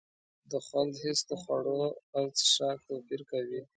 د خوند حس د خوړو او څښاک توپیر کوي.